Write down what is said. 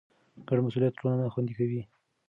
ګډ مسئولیت ټولنه خوندي کوي.